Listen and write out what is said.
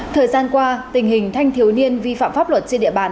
thời gian qua tình hình thanh thiếu niên vi phạm pháp luật trên địa bàn